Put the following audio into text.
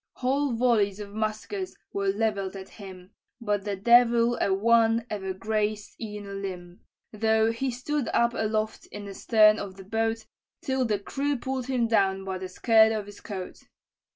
"Whole volleys of muskets were levell'd at him, But the devil a one ever grazed e'en a limb, Though he stood up aloft in the stern of the boat, Till the crew pull'd him down by the skirt of his coat.